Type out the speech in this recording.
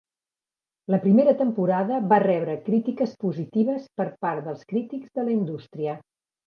La primera temporada va rebre crítiques positives per part dels crítics de la indústria.